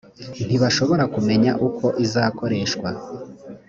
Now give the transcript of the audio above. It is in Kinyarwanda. ntibashobora kumenya uko izakoreshwa .